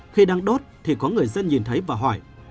khi đang đốt thì có người dân nhìn thấy và hỏi